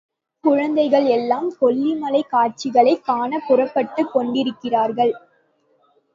குழந்தைகள் எல்லாம் கொல்லிமலைக் காட்சிகளைக் காணப் புறப்பட்டுக் கொண்டிருக்கிறார்கள்.